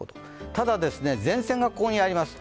ただ、前線がここにあります。